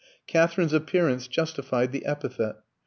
Katherine's appearance justified the epithet.